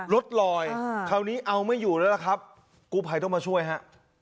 รถรอยคราวนี้เอาไม่อยู่แล้วครับกุลไพท์ต้องมาช่วยฮะ